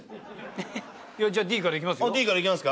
じゃあＤからいきますよ。